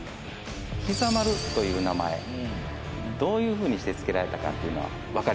膝丸という名前どういうふうにして付けられたかっていうのはわかりますか？